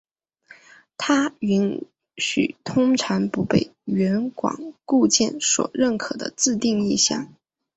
它允许通常不被原厂固件所认可的自定义项。